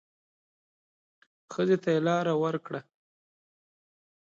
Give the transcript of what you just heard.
ښځې ته يې لار ورکړه.